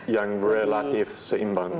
yang relatif seimbang